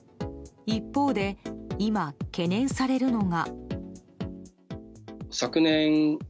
一方で今、懸念されるのが。